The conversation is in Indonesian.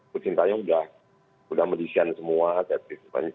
putri sinteyong sudah melisihan semua set piece